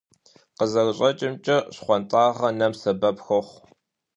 КъызэрыщӀэкӀымкӀэ, щхъуантӀагъэр нэм сэбэп хуохъу.